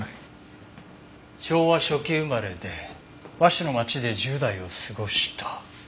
昭和初期生まれで和紙の町で１０代を過ごした。